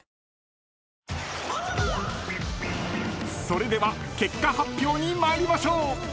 ［それでは結果発表に参りましょう］